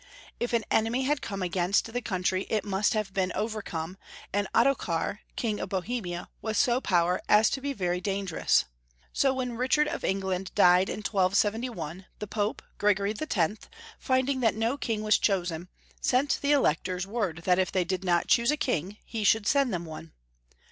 K an enemy had come against the coun try it must have been overcome, and Ottokar, King of Bohemia, was so powerful as to be very danger ous. So when Richard of England died in 1271, the Pope, Gregory X., finding that no king was chosen, sent the electors word that if they did not choose a king he should send them one.